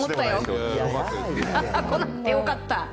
よかった。